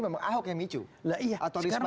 memang ahok yang micu nah iya atau risma